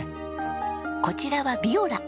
こちらはビオラ。